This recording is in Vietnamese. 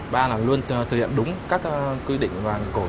b là luôn thực hiện đúng các quy định của những người đầu cơ sở